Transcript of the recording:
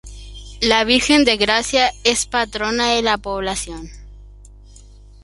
La Virgen de Gracia es patrona de la población.